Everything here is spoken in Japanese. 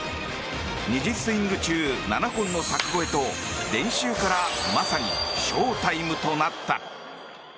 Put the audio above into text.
２０スイング中７本の柵越えと練習からまさにＳＨＯＷＴＩＭＥとなった。